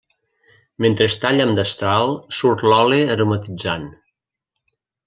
Mentre es talla amb destral surt l'oli aromatitzant.